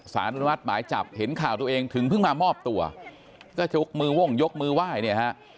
สารอนุมัติหมายจับเห็นข่าวตัวเองถึงเพิ่งมามอบตัวก็ชกมือวงยกมือไหว้เนี่ยฮะ